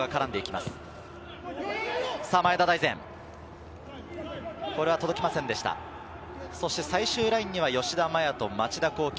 そして最終ラインには吉田麻也と町田浩樹。